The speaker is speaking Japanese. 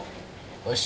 よし。